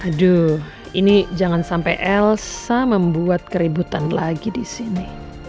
aduh ini jangan sampai elsa membuat keributan lagi di sini